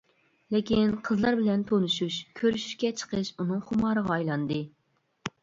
لېكىن قىزلار بىلەن تونۇشۇش، كۆرۈشۈشكە چىقىش ئۇنىڭ خۇمارىغا ئايلاندى.